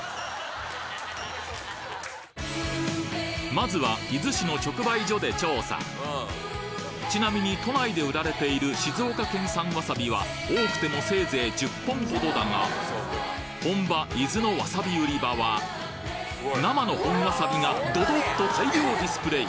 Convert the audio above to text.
まずは伊豆市の直売所で調査ちなみに都内で売られている静岡県産わさびは多くてもせいぜい本場伊豆のわさび売り場は生の本わさびがどどっと大量ディスプレイ